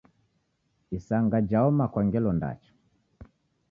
Isanga jaoma kwa ngelo ndacha.